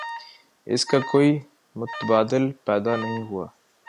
اس کا کوئی متبادل پیدا نہیں ہوا۔